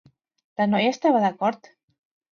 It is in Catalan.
La noia estava d'acord?